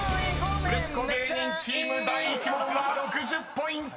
［売れっ子芸人チーム第１問は６０ポイント］